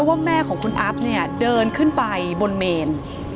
เพราะว่าแม่ของคุณอัพเดินขึ้นไปบนเมน